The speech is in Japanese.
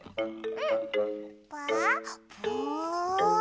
うん！